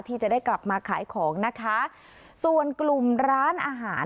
ที่จะได้กลับมาขายของนะคะส่วนกลุ่มร้านอาหาร